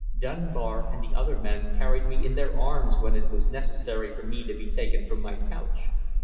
Dunbar and the other men carried me in their arms when it was necessary for me to be taken from my couch.